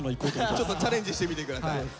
ちょっとチャレンジしてみて下さい。